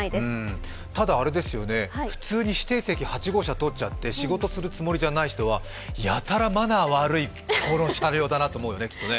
ただ、不通に指定席８号車とっちゃって仕事しない人はやたらマナー悪い、この車両だなって思うだろうね、きっとね。